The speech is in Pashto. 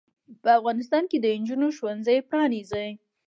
په افغانستان کې د انجونو ښوونځې پرانځئ.